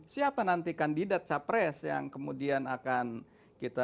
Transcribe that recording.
siapa nanti kandidat capres yang kemudian akan kita